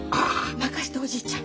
任しておじいちゃん。